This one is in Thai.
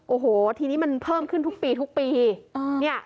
โอ้โหทีนี้มันเพิ่มขึ้นทุกปีทุกปีเนี่ย